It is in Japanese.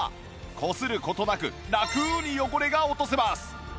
こする事なくラクに汚れが落とせます